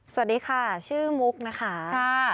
สวัสดีค่ะชื่อมุกนะคะ